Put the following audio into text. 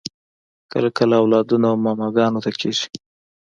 کله کله اولادونه و ماماګانو ته کیږي